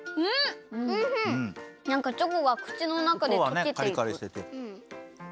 なんかチョコがくちのなかでとけていく。